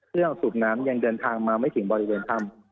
เรื่องสศุดน้ำยังเดินทางมาไม่ถึงบริเวณถ้ำ